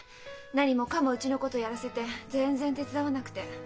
何もかもうちのことやらせて全然手伝わなくて。